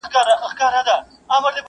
نور کارونه هم لرم درڅخه ولاړم؛